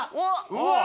うわっ。